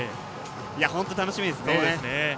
本当に楽しみですね。